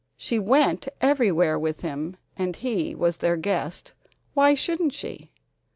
She went everywhere with him, and he was their guest; why shouldn't she?